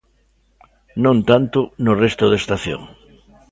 Non tanto no resto da estación.